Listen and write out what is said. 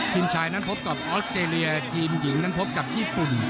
ทีมชายนั้นพบกับออสเตรเลียทีมหญิงนั้นพบกับญี่ปุ่น